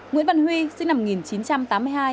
nguyễn văn huy sinh năm một nghìn chín trăm tám mươi hai